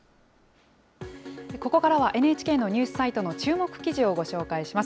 ここからは、ＮＨＫのニュースサイトの注目記事をご紹介します。